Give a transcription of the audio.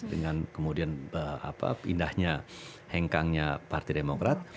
dengan kemudian pindahnya hengkangnya partai demokrat